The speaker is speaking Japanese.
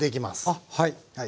あっはい。